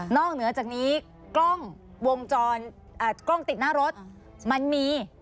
เหนือจากนี้กล้องวงจรกล้องติดหน้ารถมันมี